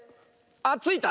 あっついた！